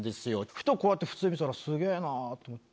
ふとこうやって普通に見てたらスゲェなと思って。